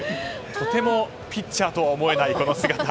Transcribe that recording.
とてもピッチャーとは思えないこの姿。